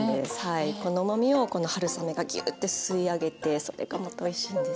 このうまみをこの春雨がギューッて吸い上げてそれがまたおいしいんです。